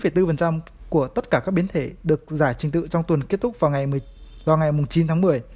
i bốn hai của tất cả các biến thể được giải trình tự trong tuần kết thúc vào ngày chín tháng một mươi